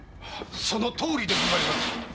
そのとおりでございまする。